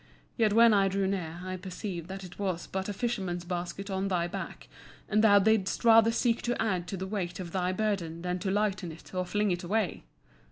Yet when I drew near I perceived that it was but a fisherman's basket on thy back, and that thou didst rather seek to add to the weight of thy burden than to lighten it or fling it away.